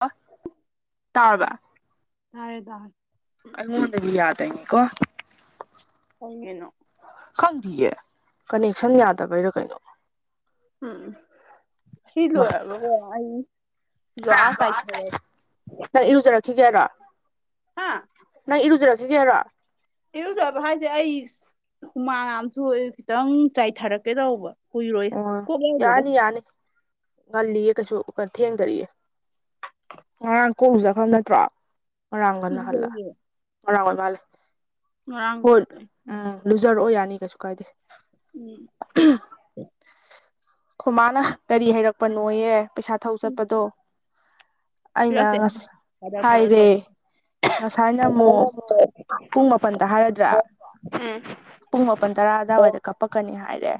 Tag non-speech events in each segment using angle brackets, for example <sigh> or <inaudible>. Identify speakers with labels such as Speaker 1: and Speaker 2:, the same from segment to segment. Speaker 1: <unintelligible> ꯇꯥꯔꯕ
Speaker 2: ꯇꯥꯔꯦꯗꯔ
Speaker 1: ꯑꯩꯉꯣꯟꯗꯒꯤ ꯌꯥꯗꯣꯢꯅꯦꯀꯣ
Speaker 2: ꯀꯩꯒꯤꯅꯣ
Speaker 1: ꯈꯪꯗꯤꯌꯦ ꯀꯅꯦꯛꯁꯟ ꯌꯥꯗꯕꯩꯔꯥ ꯀꯩꯅꯣ
Speaker 2: ꯎꯝ ꯑꯁꯤ
Speaker 1: ꯃꯥ
Speaker 2: ꯂꯣꯏꯔꯒꯀꯣ ꯑꯩ ꯖ꯭ꯋꯥ ꯆꯥꯏꯊꯔ
Speaker 1: ꯅꯪ
Speaker 2: ꯑꯗꯨꯒ
Speaker 1: ꯏꯔꯨꯖꯔꯛꯈꯤꯒꯦ ꯍꯥꯏꯔꯣ
Speaker 2: ꯍꯥ
Speaker 1: ꯅꯪ ꯏꯔꯨꯖꯔꯛꯈꯤꯒꯦ ꯍꯥꯢꯔꯣ
Speaker 2: ꯏꯨꯖꯕ ꯍꯥꯏꯁꯦ ꯑꯩ ꯍꯨꯃꯥꯡ ꯌꯥꯝ ꯊꯣꯛꯑꯦ ꯈꯤꯇꯪ ꯆꯥꯏꯊꯔꯛꯀꯦ ꯇꯧꯕ ꯀꯨꯏꯔꯣꯏ
Speaker 1: ꯑꯣ
Speaker 2: ꯀꯣꯛ ꯌꯥꯎꯗꯦꯗ
Speaker 1: ꯌꯥꯅꯤ ꯌꯥꯅꯤ ꯉꯜꯂꯤꯌꯦ ꯀꯩꯁꯨ ꯊꯦꯡꯗꯔꯤꯌꯦ ꯉꯔꯥꯡ ꯀꯣꯛ ꯆꯈ꯭ꯔꯕ ꯅꯠꯇ꯭ꯔꯣ ꯉꯔꯥꯡ ꯉꯟꯅ ꯍꯜꯂ
Speaker 2: ꯑꯗꯨꯗꯒꯤ
Speaker 1: ꯉꯔꯥꯡ ꯑꯣꯢ ꯃꯥꯜꯂꯦ
Speaker 2: ꯉꯔꯥꯡ
Speaker 1: ꯍꯣꯏ
Speaker 2: <unintelligible>
Speaker 1: ꯎꯝ ꯂꯨꯖꯔꯛꯑꯣ ꯌꯥꯅꯤ ꯀꯩꯁꯨ ꯀꯥꯏꯗꯦ
Speaker 2: ꯎꯝ
Speaker 1: <unintelligible> ꯈꯣꯃꯥꯅ ꯀꯔꯤ ꯍꯩꯔꯛꯄꯅꯣꯌꯦ ꯄꯩꯁꯥ ꯊꯧ
Speaker 2: ꯎꯝ
Speaker 1: ꯆꯠꯄꯗꯣ ꯑꯩꯅ
Speaker 2: ꯄꯤꯔꯛꯇꯦ
Speaker 1: ꯉꯁ
Speaker 2: ꯈꯗꯔ ꯈꯗꯔ
Speaker 1: ꯍꯥꯏꯔꯦ
Speaker 2: ꯇꯧ
Speaker 1: ꯉꯁꯥꯏꯅ ꯑꯃꯨꯛ ꯄꯨꯡ ꯃꯥꯄꯜꯗ ꯍꯥꯏꯔꯗ꯭ꯔꯥ ꯄꯨꯡ ꯃꯥꯄꯟ ꯇꯔꯥ ꯑꯗꯨꯋꯥꯏꯗ ꯀꯥꯄꯛꯀꯅꯤ ꯍꯥꯏꯔꯦ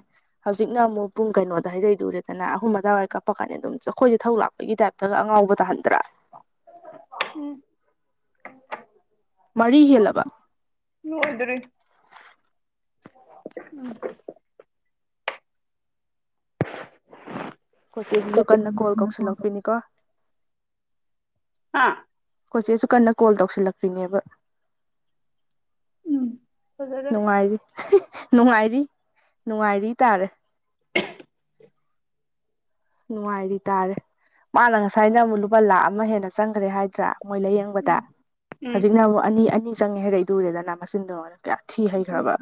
Speaker 1: ꯍꯧꯖꯤꯛꯅ ꯑꯃꯨꯛ ꯄꯨꯡ ꯀꯩꯅꯣꯗ ꯍꯩꯔꯛꯏꯗꯨ ꯎꯔꯦꯗꯅ ꯑꯍꯨꯝ ꯑꯗ꯭ꯋꯥꯏ ꯋꯥꯏ ꯀꯥꯞꯄꯀꯅꯤ ꯑꯗꯨꯝ ꯑꯩꯈꯣꯏꯁꯦ ꯊꯧ ꯂꯥꯛꯄꯒꯤ ꯇꯥꯏꯞ ꯑꯗꯒ ꯑꯉꯥꯎꯕ ꯇꯥꯍꯟꯗ꯭ꯔꯥ
Speaker 2: ꯎꯝ
Speaker 1: ꯃꯔꯤ ꯍꯦꯜꯂꯕ
Speaker 2: ꯂꯣꯏꯗ꯭ꯔꯤ
Speaker 1: ꯈꯣꯢ ꯆꯦꯖꯤꯖꯨ ꯀꯟꯅ ꯀꯣꯜ ꯀꯁꯜꯂꯛꯄꯤꯅꯤꯀꯣ
Speaker 2: ꯍꯥꯥ
Speaker 1: ꯈꯣꯢ ꯆꯦꯁꯨ ꯀꯟꯅ ꯀꯣꯜ ꯇꯧꯁꯤꯜꯂꯛꯄꯤꯅꯦꯕ
Speaker 2: ꯎꯝ ꯐꯖꯔꯦ
Speaker 1: ꯅꯨꯡꯉꯥꯏꯔꯤ ꯅꯨꯡꯉꯥꯏꯔꯤ ꯅꯨꯡꯉꯥꯏꯔꯤ ꯇꯥꯔꯦ
Speaker 2: <unintelligible>
Speaker 1: ꯅꯨꯡꯉꯥꯏꯔꯤ ꯇꯥꯔꯦ ꯃꯥꯅ ꯉꯁꯥꯏꯅ ꯑꯃꯨꯛ ꯂꯨꯄꯥ ꯂꯥꯈ ꯑꯃ ꯍꯦꯟꯅ ꯆꯪꯒ꯭ꯔꯦ ꯍꯥꯏꯗ꯭ꯔꯥ ꯃꯣꯏ ꯂꯩꯌꯦꯡꯕꯗ
Speaker 2: ꯎꯝ ꯎꯝ
Speaker 1: ꯍꯧꯖꯤꯛꯅ ꯑꯃꯨꯛ ꯑꯅꯤ ꯑꯅꯤ ꯆꯪꯉꯦ ꯍꯥꯏꯔꯛꯢꯗꯨ ꯎꯔꯦꯗꯅ ꯃꯆꯤꯟꯗꯣ ꯌꯦꯡꯉꯣꯅꯦ ꯀꯌꯥ ꯊꯤ ꯍꯩꯒ꯭ꯔꯕ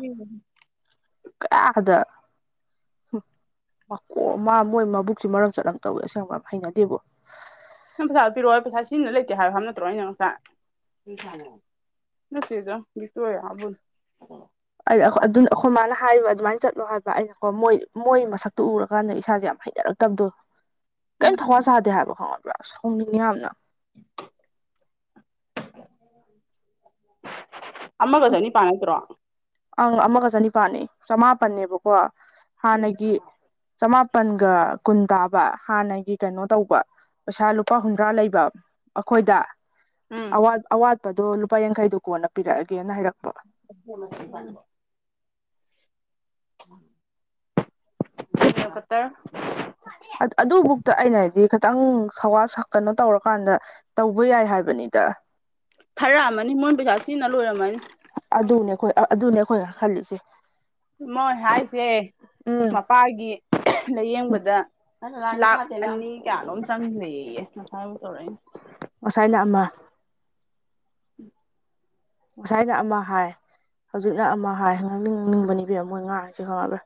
Speaker 1: ꯀꯌꯥꯗ ꯃꯀꯣꯛ ꯃꯥ ꯃꯣꯏ ꯃꯕꯨꯛ ꯁꯤ ꯃꯔꯝ ꯆꯠ ꯑꯃ ꯇꯧꯋꯦ ꯌꯥꯝ ꯍꯩꯅꯗꯦꯕꯣ
Speaker 2: ꯅꯪ ꯄꯁꯥꯗꯣ ꯄꯤꯔꯛꯑꯣ ꯑꯩ ꯄꯩꯁꯥ ꯁꯤꯖꯤꯟꯅ ꯂꯩꯇꯦ ꯍꯥꯢꯌꯣ ꯍꯥꯢꯕ ꯅꯠꯇ꯭ꯔꯣ ꯑꯩꯅ ꯉꯁꯥꯢ ꯅꯠꯇꯦꯗ ꯚꯤꯛꯇꯣꯔꯤꯌꯥꯕꯨꯅꯤ
Speaker 1: ꯑꯩ ꯑꯩꯈꯣꯢ ꯑꯗꯨꯅ ꯑꯈꯣꯢ ꯃꯥꯅ ꯍꯥꯏꯕ ꯑꯗꯨꯃꯥꯏꯅ ꯆꯠꯂꯣ ꯍꯥꯏꯕ ꯑꯩꯅꯀꯣ ꯃꯣꯏ ꯃꯣꯏ ꯃꯁꯛꯇꯣ ꯎꯔꯀꯥꯟꯗ ꯏꯁꯥꯖꯦ ꯌꯥꯝ ꯍꯩꯅꯔꯛꯇꯕꯗꯣ
Speaker 2: ꯎꯝ
Speaker 1: ꯀꯔꯤꯝ ꯊꯋꯥ ꯁꯥꯗꯦ ꯍꯥꯏꯕ ꯈꯪꯉꯕ꯭ꯔꯥ ꯁꯥꯎꯅꯤꯡꯉꯦ ꯌꯥꯝꯅ
Speaker 2: ꯑꯃꯒꯣ ꯆꯅꯤꯄꯥꯟ ꯅꯠꯇꯔꯣ
Speaker 1: ꯑꯪ ꯑꯃꯒ ꯆꯅꯤꯄꯥꯟꯅꯦ ꯆꯃꯥꯄꯟꯅꯦꯕꯀꯣ ꯍꯥꯟꯅꯒꯤ ꯆꯃꯥꯄꯟꯒ ꯀꯨꯟ ꯇꯥꯕ ꯍꯥꯟꯅꯒꯤ ꯀꯩꯅꯣ ꯇꯧꯕ ꯄꯩꯁꯥ ꯂꯨꯄꯥ ꯍꯨꯝꯗ꯭ꯔꯥ ꯂꯩꯕ ꯑꯩꯈꯣꯏꯗ
Speaker 2: ꯎꯝ
Speaker 1: ꯑꯋꯥꯠꯄꯗꯣ ꯂꯨꯄꯥ ꯌꯥꯡꯈꯩꯗꯣ ꯀꯣꯟꯅ ꯄꯤꯔꯛꯑꯒꯦꯅ ꯍꯥꯏꯔꯛꯄ
Speaker 2: <unintelligible> ꯅꯦꯜ ꯀꯠꯇꯔ
Speaker 1: ꯑꯗꯨꯕꯨꯛꯇ ꯑꯩꯅ ꯍꯥꯏꯗꯤ ꯈꯤꯇꯪ ꯊꯧ ꯋꯥ ꯁꯥ ꯀꯩꯅꯣ ꯇꯧꯔꯀꯥꯟꯗ ꯇꯧꯕ ꯌꯥꯏ ꯍꯥꯏꯕꯅꯤꯗ
Speaker 2: ꯊꯥꯔꯛꯑꯃꯅꯤ ꯃꯣꯏꯅ ꯄꯩꯁꯥ ꯁꯤꯖꯤꯟꯅ ꯂꯣꯏꯔꯝꯃꯅꯤ
Speaker 1: ꯑꯗꯨꯅꯦ ꯑꯩꯈꯣꯏ ꯑꯗꯨꯅꯦ ꯑꯩꯈꯣꯏꯅ ꯈꯜꯂꯤꯁꯦ
Speaker 2: ꯃꯣꯏ ꯍꯥꯏꯁꯦ
Speaker 1: ꯎꯝ
Speaker 2: ꯃꯄꯥꯒꯤ ꯂꯩꯌꯦꯡꯕꯗ ꯂꯥꯛ ꯑꯅꯤ ꯀꯌꯥꯅꯣꯝ ꯆꯡꯒ꯭ꯔꯦꯌꯦ ꯉꯁꯥꯏ ꯃꯨꯛ ꯇꯧꯔꯛꯏꯅꯤ
Speaker 1: ꯉꯁꯥꯏꯅ ꯑꯃ
Speaker 2: ꯎꯝ <inaudible>
Speaker 1: ꯉꯁꯥꯏꯅ ꯑꯃ ꯍꯥꯏ ꯍꯧꯖꯤꯛꯅ ꯑꯃ ꯍꯥꯏ ꯉꯥꯡꯅꯤꯡ ꯉꯥꯡꯅꯤꯡꯕꯅꯦ ꯏꯕꯦꯝꯃ ꯃꯣꯏ ꯉꯥꯡꯉꯤꯁꯦ ꯈꯪꯉꯕ꯭ꯔꯥ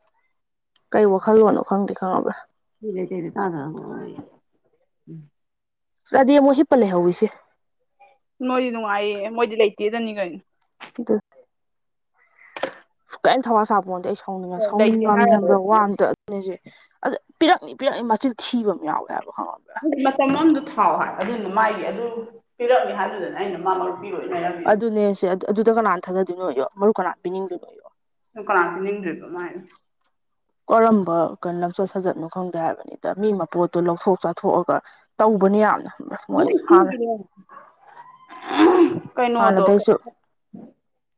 Speaker 1: ꯀꯩ ꯋꯥꯈꯜꯂꯣꯟꯅꯣ ꯈꯪꯗꯦ ꯈꯪꯉꯕ꯭ꯔꯥ
Speaker 2: <unintelligible>
Speaker 1: ꯆꯗꯤ ꯑꯃꯨꯛ ꯍꯤꯞꯄ ꯂꯩꯍꯧꯋꯤꯁꯦ
Speaker 2: ꯅꯣꯏꯗꯤ ꯅꯨꯡꯉꯥꯏꯌꯦ ꯃꯣꯏꯗꯤ ꯂꯩꯇꯦꯗꯅꯤ ꯀꯩꯅꯣ
Speaker 1: ꯏꯗꯨꯠꯇꯤ ꯀꯩꯝ ꯊꯧꯋꯥ ꯁꯥꯄꯣꯟꯇꯦ ꯑꯩ ꯁꯥꯎꯅꯤꯡꯉꯦ
Speaker 2: ꯂꯩꯇꯦ
Speaker 1: ꯁꯥꯎꯅꯤꯡꯉꯝꯅꯤ
Speaker 2: ꯍꯥꯏꯔ
Speaker 1: ꯈꯣꯕ꯭ꯔꯥ
Speaker 2: ꯂꯣꯏ
Speaker 1: ꯋꯥ ꯑꯝꯇ ꯅꯦꯁꯦ ꯑꯗ ꯄꯤꯔꯛꯅꯤ ꯄꯤꯔꯛꯅꯤ ꯃꯆꯤꯟ ꯊꯤꯕ ꯑꯃ ꯌꯥꯎꯋꯦ ꯍꯥꯏꯕ ꯈꯪꯉꯕ꯭ꯔꯥ
Speaker 2: ꯅꯠꯆꯦ ꯃꯇꯝ ꯑꯃꯗ ꯊꯥꯎ ꯍꯥꯏ ꯑꯗꯨꯅ ꯃꯥꯥꯏꯒꯤ ꯑꯗꯨ ꯄꯤꯔꯛꯅꯤ ꯍꯥꯏꯗꯨꯗꯅ ꯑꯩꯅ ꯃꯥꯔꯨꯞ
Speaker 1: ꯑꯗꯨꯅꯦ ꯁꯦ ꯑꯗꯨꯗ ꯀꯅꯥ ꯊꯥꯖꯗꯣꯏꯅꯣꯌꯣ ꯃꯔꯨꯞ ꯀꯅꯥ ꯄꯤꯅꯤꯡꯗꯣꯏꯅꯣꯌꯣ
Speaker 2: ꯀꯅꯥꯅ ꯄꯤꯅꯤꯡꯗꯣꯢꯕ ꯃꯥꯥꯏꯅ
Speaker 1: ꯀꯔꯝꯕ ꯀꯣ ꯂꯝꯆꯠ ꯁꯥꯖꯠꯅꯣ ꯈꯪꯗꯦ ꯍꯥꯏꯕꯅꯤꯗ ꯃꯤ ꯃꯄꯣꯠꯇꯣ ꯂꯧꯊꯣꯛ ꯆꯥꯊꯣꯛꯑꯒ ꯇꯧꯕꯅꯦ ꯌꯥꯝꯅ ꯃꯣꯏ
Speaker 2: ꯃꯣꯢ
Speaker 1: ꯍꯥꯟꯅ
Speaker 2: ꯁꯤꯒꯤꯅꯦ ꯀꯩꯅꯣꯗꯣ
Speaker 1: ꯍꯥꯟꯅꯗꯩꯁꯨ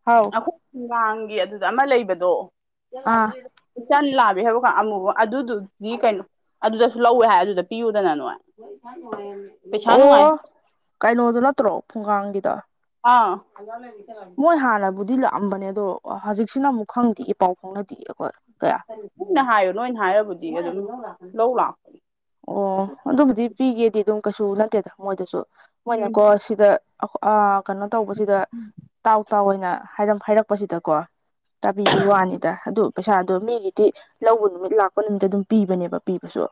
Speaker 1: ꯍꯥꯎ
Speaker 2: ꯂꯥꯡꯒꯤ ꯑꯗꯨꯗ ꯑꯃ ꯂꯩꯕꯗꯣ
Speaker 1: ꯑꯥ
Speaker 2: ꯏꯆꯟ ꯂꯥꯜꯂꯦ ꯍꯥꯏꯕꯀꯥꯟ ꯑꯃꯨꯕ ꯑꯗꯨꯗꯨꯗꯤ ꯀꯩꯅꯣ ꯑꯗꯨꯗꯁꯨ ꯂꯧꯋꯦ ꯍꯥꯏ ꯑꯗꯨꯗ ꯄꯤꯌꯨꯗꯅ ꯅꯣꯏ ꯄꯩꯁꯥ
Speaker 1: ꯑꯣ
Speaker 2: ꯅꯨꯡꯉꯥꯏ
Speaker 1: ꯀꯩꯅꯣꯗꯣ ꯅꯠꯇ꯭ꯔꯣ ꯐꯨꯡꯒꯥꯥꯡꯒꯤꯗꯣ
Speaker 2: ꯑ
Speaker 1: ꯃꯣꯏ ꯍꯥꯟꯅꯕꯨꯗꯤ ꯂꯥꯛꯑꯝꯕꯅꯦ ꯑꯗꯣ ꯍꯧꯖꯤꯛꯁꯤꯅ ꯑꯃꯨꯛ ꯈꯪꯗꯤꯌꯦ ꯄꯥꯎ ꯐꯥꯎꯅꯗꯤꯌꯦ ꯑꯩꯈꯣꯏ ꯀꯌꯥ
Speaker 2: ꯆꯤꯟꯅ ꯍꯥꯏꯌꯣ ꯅꯣꯏꯅ ꯍꯥꯏꯔꯕꯨꯗꯤ ꯑꯗꯨꯝ ꯂꯧ ꯂꯥꯛ
Speaker 1: ꯑꯣ ꯑꯗꯨꯕꯨꯗꯤ ꯄꯤꯒꯦꯗꯤ ꯑꯗꯨꯝ ꯀꯩꯁꯨ ꯅꯠꯇꯦꯗ ꯃꯣꯏꯗꯁꯨ
Speaker 2: ꯎꯝ
Speaker 1: ꯃꯣꯏꯅꯀꯣ ꯁꯤꯗ ꯑ ꯀꯩꯅꯣ ꯇꯧꯕꯁꯤꯗ ꯇꯥꯎ ꯇꯥꯎꯑꯩꯅ ꯍꯥꯏꯔꯛ ꯍꯥꯏꯔꯛꯄꯁꯤꯗꯀꯣ ꯇꯥꯕꯤꯕ ꯋꯥꯅꯤꯗ ꯑꯗꯨ ꯄꯩꯁꯥꯗꯣ ꯃꯤꯒꯤꯗꯤ ꯂꯧꯕ ꯅꯨꯃꯤꯠ ꯂꯥꯛꯄ ꯅꯨꯃꯤꯠꯇ ꯑꯗꯨꯝ ꯄꯤꯕꯅꯦꯕ ꯄꯤꯕꯁꯨ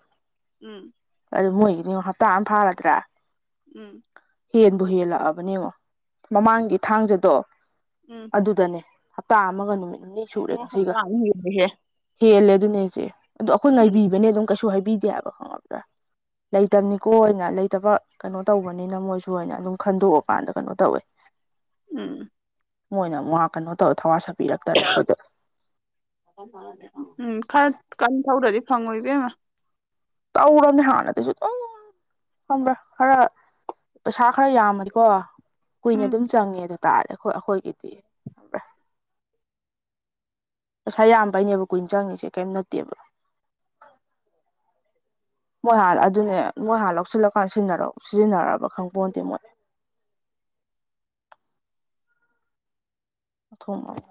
Speaker 2: ꯎꯝ
Speaker 1: ꯑꯗꯨ ꯃꯣꯏꯒꯤꯗꯤ ꯌꯦꯡꯉꯣ ꯍꯞꯇꯥ ꯑꯃ ꯐꯥꯔꯗ꯭ꯔꯥ
Speaker 2: ꯎꯝ
Speaker 1: ꯍꯦꯟꯕꯨ ꯍꯦꯜꯂꯛꯑꯕꯅꯦ ꯌꯦꯡꯉꯣ ꯃꯃꯥꯡꯒꯤ ꯊꯥꯡꯖꯗꯣ
Speaker 2: ꯎꯝ
Speaker 1: ꯑꯗꯨꯗꯅꯦ ꯍꯞꯇꯥ ꯑꯃꯒ ꯅꯨꯃꯤꯠ ꯅꯤꯅꯤ ꯁꯨꯔꯦ
Speaker 2: ꯎꯝ
Speaker 1: ꯉꯁꯤꯒ
Speaker 2: ꯍꯞꯇꯥ ꯑꯃ ꯍꯦꯜꯂꯦꯍꯦ
Speaker 1: ꯍꯦꯜꯂꯦ ꯑꯗꯨꯅꯦ ꯍꯥꯏꯆꯦ ꯑꯗꯣ ꯑꯩꯈꯣꯏ
Speaker 2: ꯎꯝ
Speaker 1: ꯉꯥꯏꯕꯤꯕꯅꯦ ꯑꯗꯨꯝ ꯀꯩꯁꯨ ꯍꯥꯏꯕꯤꯗꯦ ꯍꯥꯏꯕ
Speaker 2: <unintelligible>
Speaker 1: ꯂꯩꯇꯝꯅꯤꯀꯣ ꯑꯣꯏꯅ ꯂꯩꯇꯕ ꯀꯩꯅꯣ ꯇꯧꯕꯅꯤꯅ ꯃꯣꯏꯁꯨ ꯑꯅ ꯑꯗꯨꯝ ꯈꯟꯗꯣꯛꯑꯀꯥꯟꯗ ꯀꯩꯅꯣ ꯇꯧꯋꯦ
Speaker 2: ꯎꯝ
Speaker 1: ꯃꯣꯏꯅ ꯑꯃꯨꯛ ꯑꯥ ꯀꯩꯅꯣ ꯇꯧꯔ ꯊꯋꯥ ꯁꯥꯕꯤꯔꯛꯇꯔꯦ ꯑꯩꯈꯣꯏꯗ
Speaker 2: ꯎꯝ ꯈꯔ ꯀꯟ ꯊꯧꯗ꯭ꯔꯗꯤ ꯐꯪꯉꯣꯏ ꯏꯕꯦꯝꯃ
Speaker 1: ꯇꯧꯔꯕꯅꯤ ꯍꯥꯥꯟꯅꯗꯩꯁꯨ ꯑꯗꯨꯝ ꯈꯪꯕ꯭ꯔꯥ ꯈꯔ ꯄꯩꯁꯥ ꯈꯔ ꯌꯥꯝꯃꯗꯤꯀꯣ ꯀꯨꯏꯅ
Speaker 2: ꯎꯝ
Speaker 1: ꯑꯗꯨꯝ ꯆꯪꯉꯦꯗꯨ ꯇꯥꯔꯦ ꯑꯈꯣꯏ ꯑꯩꯈꯣꯏꯒꯤꯗꯤ ꯈꯪꯕ꯭ꯔꯥ ꯄꯩꯁꯥ ꯌꯥꯝꯕꯩꯅꯦꯕ ꯀꯨꯏꯅ ꯆꯪꯉꯤꯁꯦ ꯀꯩꯝ ꯅꯠꯇꯦꯕ
Speaker 2: ꯑ <inaudible>
Speaker 1: ꯃꯣꯏ ꯍꯥꯟꯅ ꯑꯗꯨꯅꯦ ꯃꯣꯏ ꯍꯥꯟ ꯂꯧꯁꯤꯜꯂꯀꯥꯟ ꯁꯤꯟꯅꯔꯧ ꯁꯤꯖꯤꯟꯅꯔꯕ ꯈꯪꯄꯣꯟꯇꯦ ꯃꯣꯏ ꯊꯣꯡꯑꯣ